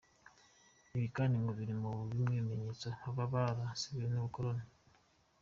Ibi kandi ngo biri muri bimwe mu bimenyetso baba barasigiwe n’ubukoroni.